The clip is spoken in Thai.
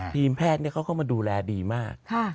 ทีมแพทย์เขาเข้ามาดูแลดีมาก